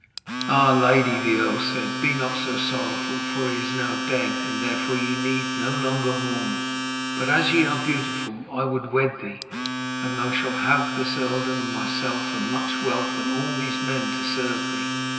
'Ah, lady,' the earl said, 'be not so sorrowful. For he is now dead, and therefore ye need no longer mourn. But as ye are beautiful, I would wed thee, and thou shalt have this earldom and myself and much wealth and all these men to serve thee.'